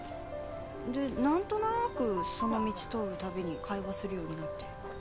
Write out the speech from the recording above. でなんとなくその道通るたびに会話するようになって。